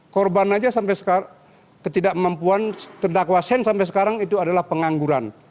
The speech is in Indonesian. korban saja sampai sekarang ketidakmampuan terdakwa shane sampai sekarang itu adalah pengangguran